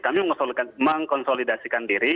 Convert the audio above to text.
kami akan mengkonsolidasikan diri